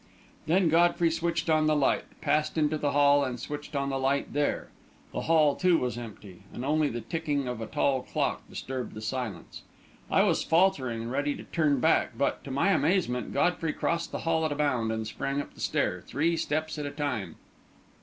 Then Godfrey switched on the light, passed into the hall and switched on the light there. The hall, too, was empty, and only the ticking of a tall clock disturbed the silence. I was faltering and ready to turn back, but, to my amazement, Godfrey crossed the hall at a bound and sprang up the stair, three steps at a time.